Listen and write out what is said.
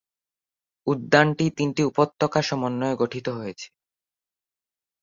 উদ্যানটি তিনটি উপত্যকা সমন্বয়ে গঠিত হয়েছে।